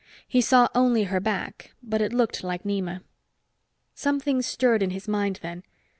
He saw only her back, but it looked like Nema. Something stirred in his mind then.